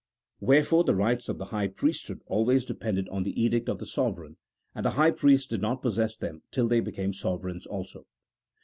Wherefore the rights of the high priesthood always depended on the edict of the sovereign, and the high priests did not possess them till they became sovereigns also.